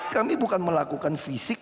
kami bukan melakukan fisik